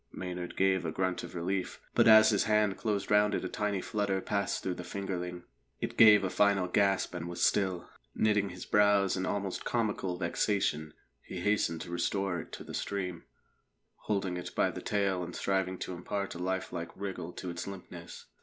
Maynard gave a grunt of relief, but as his hand closed round it a tiny flutter passed through the fingerling; it gave a final gasp and was still. Knitting his brows in almost comical vexation, he hastened to restore it to the stream, holding it by the tail and striving to impart a life like wriggle to its limpness.